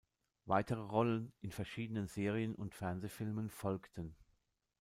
Weitere Rollen in verschiedenen Serien und Fernsehfilmen folgten.